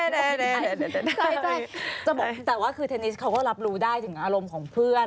ใช่จะบอกแต่ว่าคือเทนนิสเขาก็รับรู้ได้ถึงอารมณ์ของเพื่อน